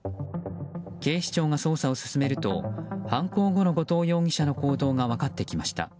警視庁が捜査を進めると犯行後の後藤容疑者の行動が分かってきました。